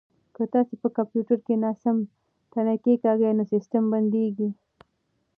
که تاسي په کمپیوټر کې ناسم تڼۍ کېکاږئ نو سیسټم بندیږي.